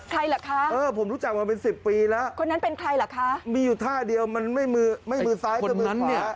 ใครเหรอคะคนนั้นเป็นใครเหรอคะมีอยู่ท่าเดียวมันไม่มือซ้ายก็มือขวา